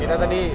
kita disini juga